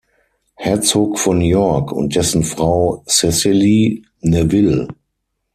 Herzog von York, und dessen Frau Cecily Neville.